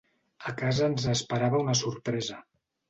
A casa ens esperava una sorpresa.